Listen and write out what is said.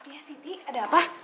ya siti ada apa